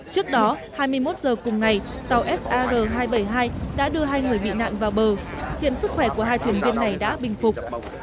trước đó hai mươi một h cùng ngày tàu sir hai trăm bảy mươi hai đã đưa hai người bị nạn vào bờ hiện sức khỏe của hai thuyền viên này đã bình phục